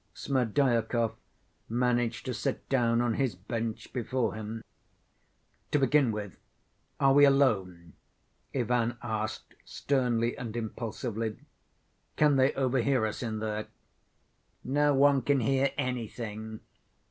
Smerdyakov managed to sit down on his bench before him. "To begin with, are we alone?" Ivan asked sternly and impulsively. "Can they overhear us in there?" "No one can hear anything.